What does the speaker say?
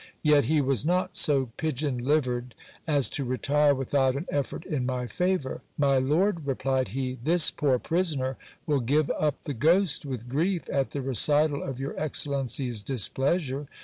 Yet he was not so pigeon livered as to retire without an effort in my favour. My lord, replied he, this poor prisoner will give up the ghost with grief, at the recital of your excellency's displeasure.